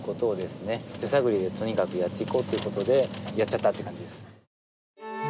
手探りでとにかくやっていこうということでやっちゃったって感じです。